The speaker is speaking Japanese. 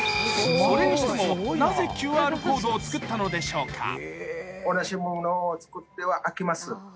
それにしてもなぜＱＲコードを作ったのでしょうか？